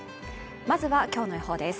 まずは今日の予報です。